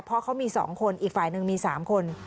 เพราะเขามี๒คนอีกฝ่ายหนึ่งมี๓คน